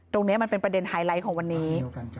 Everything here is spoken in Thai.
ตรงนี้มันเป็นประเด็นไฮไลท์ของวันนี้